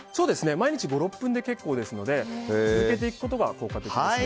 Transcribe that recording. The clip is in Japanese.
毎日５６分で結構ですので続けていくことが効果的ですね。